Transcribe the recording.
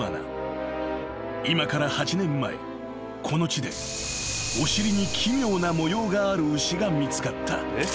［今から８年前この地でお尻に奇妙な模様がある牛が見つかった］